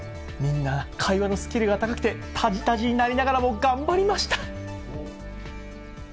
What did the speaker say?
みんな会話のスキルが高くて、たじたじになりながらも頑張りました。